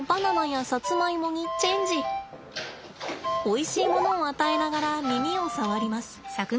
おいしいものを与えながら耳を触ります。